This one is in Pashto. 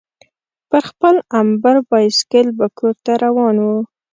پر خپل امبر بایسکل به کورته روان وو.